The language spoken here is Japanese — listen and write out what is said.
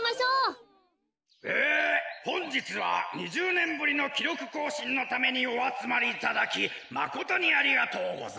えほんじつは２０ねんぶりのきろくこうしんのためにおあつまりいただきまことにありがとうございます。